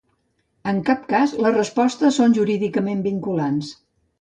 En cap cas les respostes són jurídicament vinculants.